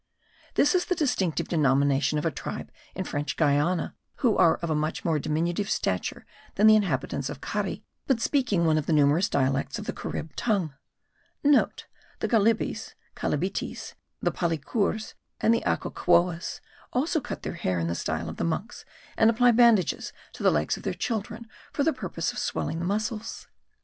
This is the distinctive denomination of a tribe in French Guiana,* who are of much more diminutive stature than the inhabitants of Cari, but speaking one of the numerous dialects of the Carib tongue. (* The Galibis (Calibitis), the Palicours, and the Acoquouas, also cut their hair in the style of the monks; and apply bandages to the legs of their children for the purpose of swelling the muscles.